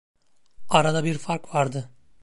Arada bir fark vardı.